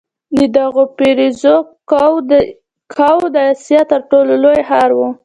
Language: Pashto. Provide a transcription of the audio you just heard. د غور فیروزکوه د اسیا تر ټولو لوړ ښار و